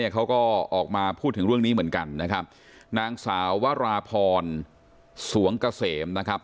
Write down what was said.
เขาก็ออกมาพูดถึงเรื่องนี้เหมือนกันนะครับนางสาววราพรสวงเกษมนะครับ